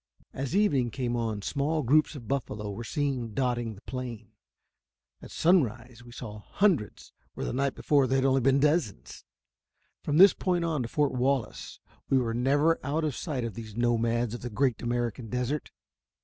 As evening came on, small groups of buffalo were seen dotting the plain. At sunrise we saw hundreds where the night before there had been only dozens. From this point on to Fort Wallace, we were never out of sight of these nomads of the "Great American Desert."